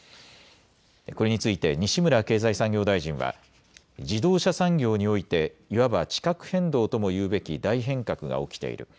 これについて西村経済産業大臣は自動車産業においていわば地殻変動ともいうべき大変革が起きている。